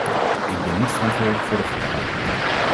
Ik ben niet verantwoordelijk voor de vertaling.